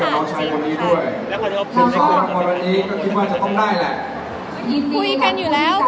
แล้วก็เดี๋ยวพอในกรณีก็คิดว่าจะต้องได้แหละ